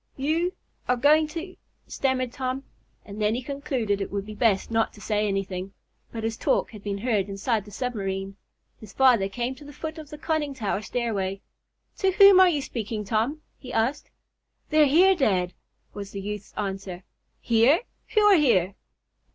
"You are going to " stammered Tom, and then he concluded it would be best not to say anything. But his talk had been heard inside the submarine. His father came to the foot of the conning tower stairway. "To whom are you speaking, Tom?" he asked. "They're here, dad," was the youth's answer. "Here? Who are here?"